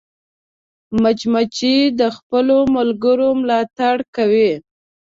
مچمچۍ د خپلو ملګرو ملاتړ کوي